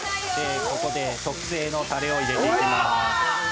ここで特製のタレを入れていきます！